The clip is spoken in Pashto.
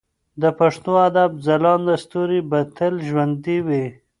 د پښتو ادب ځلانده ستوري به تل ژوندي وي.